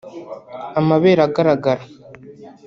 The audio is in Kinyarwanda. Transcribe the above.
amabere agaragara